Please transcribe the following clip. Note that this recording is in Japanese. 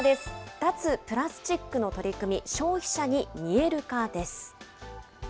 脱プラスチックの取り組み、消費者に見える化です。